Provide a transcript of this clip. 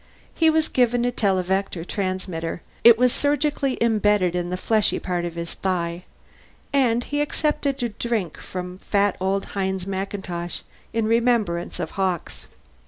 He was given a televector transmitter it was surgically embedded in the fleshy part of his thigh and he accepted a drink from fat old Hines MacIntosh in remembrance of Hawkes.